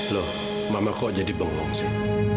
loh mama kok jadi bolong sih